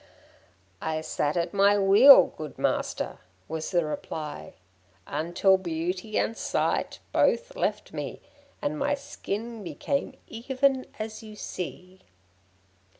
'I sat at my wheel, good master,' was the reply, 'until beauty and sight both left me, and my skin became even as you see.'